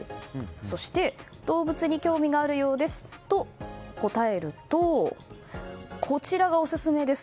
そして、動物に興味があるようですと答えるとこちらがオススメです。